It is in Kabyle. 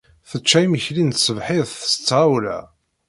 Tečča imekli n tṣebḥit s tɣawla.